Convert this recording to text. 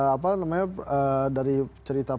apa namanya dari cerita penggantian dan lain lain ya